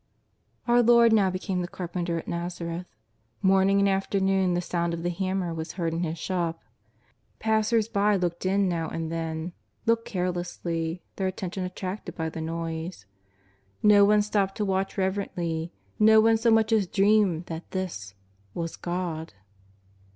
Our Lord now became the carpenter at [N'azareth. Morning and afternoon the sound of the hammer was heard in His shop. Passers by looked in now and then ■— looked carelessly, their attention attracted by the noise. Xo one stopped to watch reverently, no one so much as dreamed that this — was God